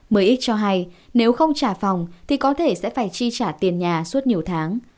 mx cho hay nếu không trả phòng thì có thể sẽ phải chi trả tiền nhà suốt nhiều tháng